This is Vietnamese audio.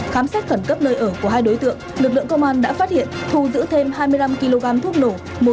khám xét khẩn cấp nơi ở của hai đối tượng lực lượng công an đã phát hiện thu giữ thêm hai mươi năm kg thuốc nổ